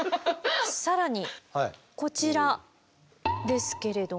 更にこちらですけれども。